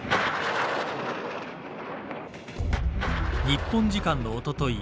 日本時間のおととい